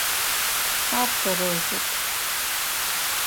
Ар тэрэзэп.